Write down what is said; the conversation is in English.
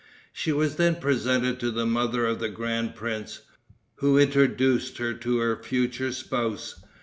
She was then presented to the mother of the grand prince, who introduced her to her future spouse.